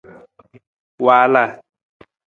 Waalaa.